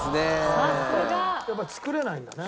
さすが！やっぱ作れないんだね。